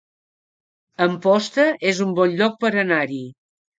Amposta es un bon lloc per anar-hi